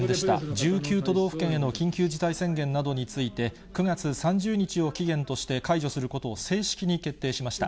１９都道府県への緊急事態宣言などについて、９月３０日を期限として解除することを正式に決定しました。